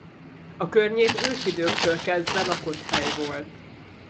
A környék ősidőktől kezdve lakott hely volt.